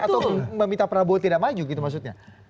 atau meminta prabowo tidak maju gitu maksudnya